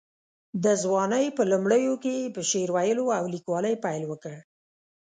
د ځوانۍ په لومړیو کې یې په شعر ویلو او لیکوالۍ پیل وکړ.